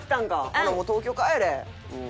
ほんならもう東京帰れ！